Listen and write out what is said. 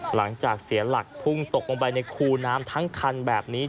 หลังจากเสียหลักพุ่งตกลงไปในคูน้ำทั้งคันแบบนี้